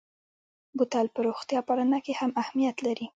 بوتل په روغتیا پالنه کې هم اهمیت لري.